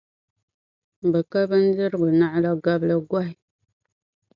Bɛ ka bindirgu naɣila gabligɔhi.